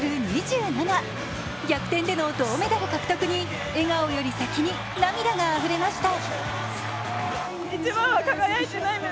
逆転での銅メダル獲得に笑顔より先に涙があふれました。